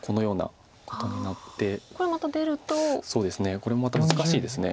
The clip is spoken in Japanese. これもまた難しいです。